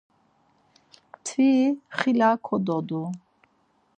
Mturi xila kododu.